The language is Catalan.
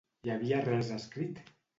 Hi havia res escrit?